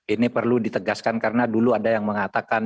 ini perlu ditegaskan karena dulu ada yang mengatakan